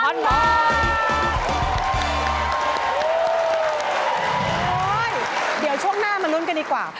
เดี๋ยวช่วงหน้ามาลุ้นกันดีกว่า